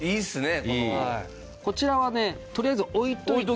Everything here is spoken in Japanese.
こちらはねとりあえず置いておいて。